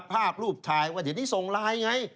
พรากษ์รูปถ่ายวันนี้ส่งไลน์ไง